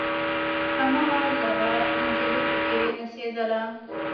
هماغه لغړه نجلۍ پکښې نڅېدله.